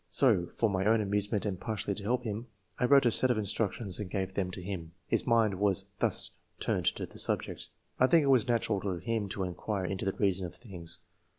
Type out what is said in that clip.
So, for my own amusement and partly to help him, I wrote a set of instructions and gave them to him.^ His mind was thus turned to the subject. I think it was natural to him to inquire into the reason of things.